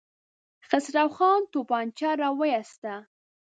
خسرو خان توپانچه را وايسته.